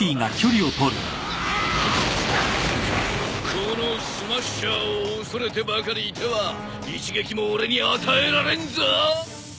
このスマッシャーを恐れてばかりいては一撃も俺に与えられんぞ。